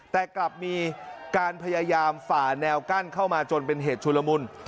แต่กลับมีการพยายามฝ่าแนวกั้นเข้ามาจนเป็นเหตุชุลมุน